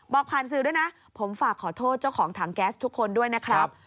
บอกผ่านสื่อด้วยนะผมฝากขอโทษเจ้าของถังแก๊สทุกคนด้วยนะครับ